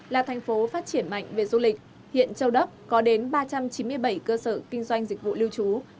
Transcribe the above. là thành phố phát triển mạnh về du lịch hiện châu đốc có đến ba trăm chín mươi bảy cơ sở kinh doanh dịch vụ lưu trú